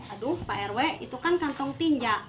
aduh pak rw itu kan kantong tinja